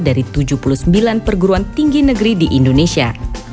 dari tujuh puluh sembilan perguruan tinggi negeri di indonesia